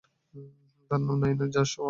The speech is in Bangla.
তার নাম নায়না জয়সওয়াল।